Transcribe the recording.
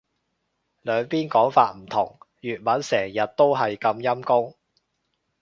兩邊講法唔同。粵文成日都係咁陰功